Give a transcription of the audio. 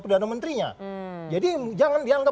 itu adalah masalahnya perdana menterinya